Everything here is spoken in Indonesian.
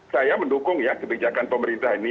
saya mendukung ya kebijakan pemerintah ini